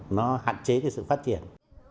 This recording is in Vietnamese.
nó hạn chế cái sự phát triển